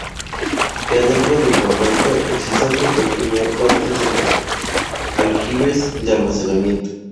Ya dentro del convento existe otro pequeño arco antes de los aljibes de almacenamiento.